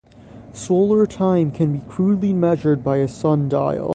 Solar time can be crudely measured by a sundial.